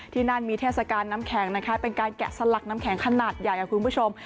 ที่นั่นมีเทศกาลน้ำแข็งนะคะเป็นการแกะสลักน้ำแข็งขนาดใหญ่ค่ะคุณผู้ชม